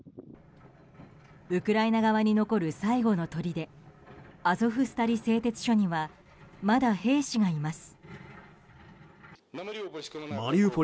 ウクライナ側に残る最後のとりでアゾフスタリ製鉄所にはまだ兵士がいます。